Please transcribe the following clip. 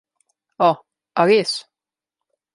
Oh, a res?